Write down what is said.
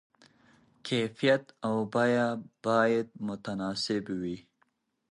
کیفیت او بیه باید متناسب وي.